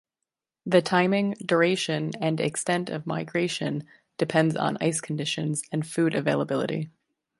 The timing, duration, and extent of migration depends on ice conditions and food availability.